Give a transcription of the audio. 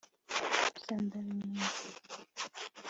gusa ndabimenye